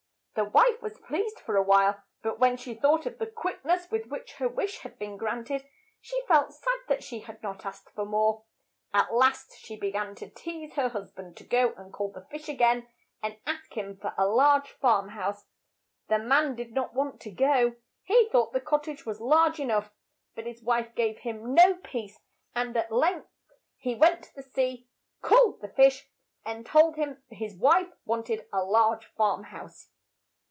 The wife was pleased for a while, but when she thought of the quick ness with which her wish had been grant ed, she felt sad that she had not asked for more. At last she be gan to tease her hus band to go and call the fish a gain, and ask him THE FISHERMAN AND HIS WIFE 79 for a large farm house. The man did not want to go. He thought the cot tage was large e nough, but his wife gave him no peace, and at length he went to the sea, called the fish, and told him his wife want ed a large farm house.